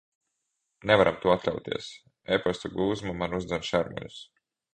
Nevaram to atļauties. Epastu gūzma man uzdzen šermuļus.